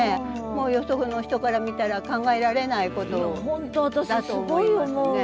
もうよその人から見たら考えられないことだと思いますね。